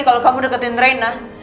kalau kamu deketin reina